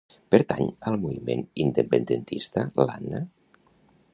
Pertany al moviment independentista l'Anna?